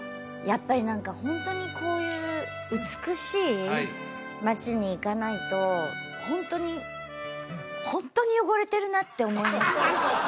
やっぱり何かホントにこういう美しい町に行かないとホントにホントに汚れてるなって思います